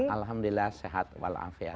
alhamdulillah sehat walafiat